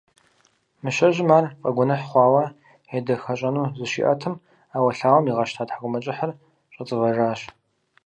Мыщэжьым ар фӀэгуэныхь хъуауэ едэхэщӀэну зыщиӀэтым, Ӏэуэлъауэм игъэщта ТхьэкӀумэкӀыхьыр, щӀэцӀывэжащ.